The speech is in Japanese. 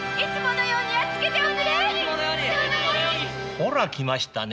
ほら来ましたね。